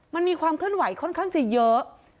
มันมีความเคลื่อนไหวค่อนข้างจะเยอะ